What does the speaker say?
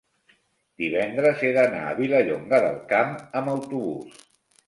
divendres he d'anar a Vilallonga del Camp amb autobús.